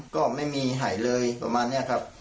ก็ไม่มีหายเลยประมาณนี้ครับ